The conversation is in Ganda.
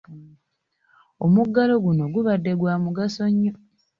Omuggalo guno gubadde gwa mugaso nnyo.